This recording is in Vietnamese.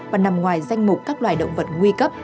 và nằm ngoài danh mục các loài động vật nguy cấp